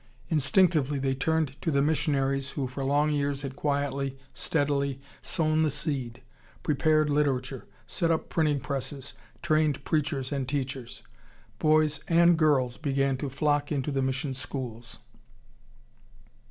Instinctively they turned to the missionaries who for long years had quietly, steadily, sown the seed, prepared literature, set up printing presses, trained preachers and teachers. Boys and girls began to flock into the mission schools.